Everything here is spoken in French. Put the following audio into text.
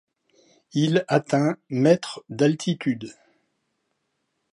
Il atteint mètres d'altitude.